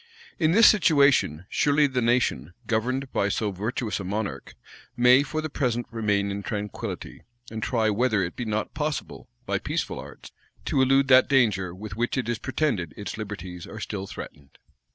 In this situation, surely the nation, governed by so virtuous a monarch, may for the present remain in tranquillity, and try whether it be not possible, by peaceful arts, to elude that danger with which it is pretended its liberties are still threatened.